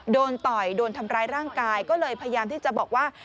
โดนต่อยโดนทำร้ายร่างกายก็เลยพยายามที่จะบอกว่า